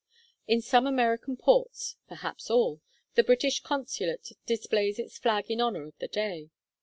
In some American ports (perhaps all) the British consulate displays its flag in honour of the day.